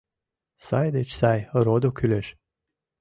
Сай деч сай родо кӱлеш.